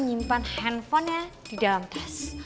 menyimpan handphonenya di dalam tas